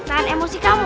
tahan emosi kamu